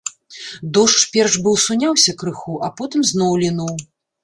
Дождж перш быў суняўся крыху, а потым зноў лінуў.